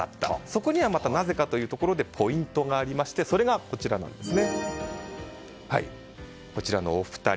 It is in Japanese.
そこにはなぜかというところでポイントがありましてそれがこちらのお二人。